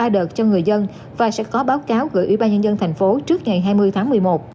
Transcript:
ba đợt cho người dân và sẽ có báo cáo gửi ủy ban nhân dân thành phố trước ngày hai mươi tháng một mươi một